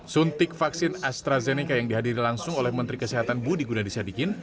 suntik vaksin astrazeneca yang dihadiri langsung oleh menteri kesehatan budi gunadisadikin